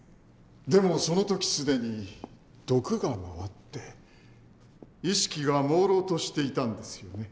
でもその時既に毒が回って意識が朦朧としていたんですよね？